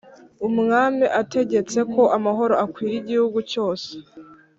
umwami ategetse ko amahoro akwira igihugu cyose.